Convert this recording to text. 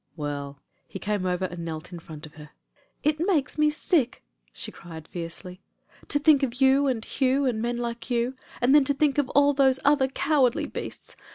"Well " he came over and knelt in front of her. "It makes me sick," she cried fiercely, "to think of you and Hugh and men like you — ^and then to think of all these other cowardly beasts.